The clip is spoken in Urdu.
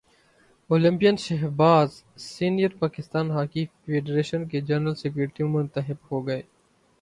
Olympian Shahbaz senior Pakistan hockey federation کے جنرل سیکرٹری منتخب ہو گئے